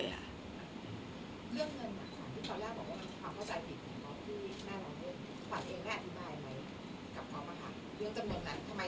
คนรอบตัวขวัดไม่ได้